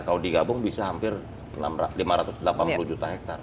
kalau digabung bisa hampir lima ratus delapan puluh juta hektare